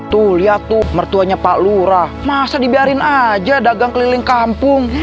tuh lihat tuh mertuanya pak lurah masa dibiarin aja dagang keliling kampung